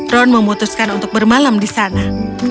ron memutuskan untuk bermalam di sana